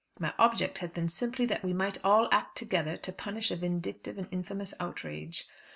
My object has been simply that we might all act together to punish a vindictive and infamous outrage.